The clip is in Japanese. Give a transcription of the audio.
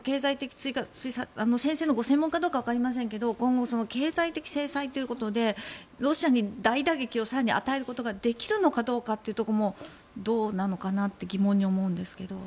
先生の専門かどうかわかりませんが今後、経済的制裁ということでロシアに大打撃を更に与えることができるのかどうかというところもどうなのかなって疑問に思うんですけど。